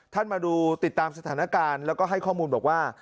มาดูติดตามสถานการณ์แล้วก็ให้ข้อมูลบอกว่า